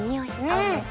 あっ！